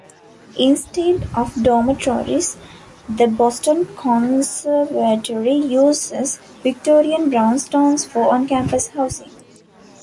Instead of dormitories, The Boston Conservatory uses Victorian brownstones for on-campus housing.